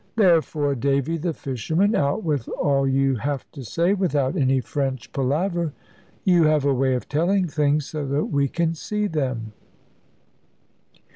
Therefore, Davy the fisherman, out with all you have to say, without any French palaver. You have a way of telling things so that we can see them."